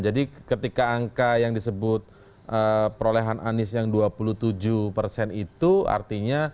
jadi ketika angka yang disebut perolehan anies yang dua puluh tujuh persen itu artinya